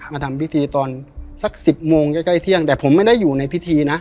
มาทำพิธีตอนสัก๑๐โมงใกล้เที่ยงแต่ผมไม่ได้อยู่ในพิธีนะ